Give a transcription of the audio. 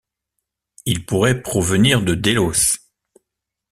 Il pourrait provenir de Délos.